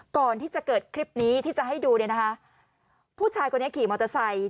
ก่อนที่จะเกิดคลิปนี้ที่จะให้ดูเนี่ยนะคะผู้ชายคนนี้ขี่มอเตอร์ไซค์